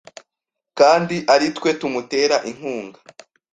kandi aritwe tumutera inkunga